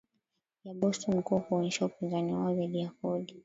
ya Boston kwa kuonyesha upinzani wao dhidi ya kodi